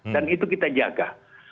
dan itu kita jaga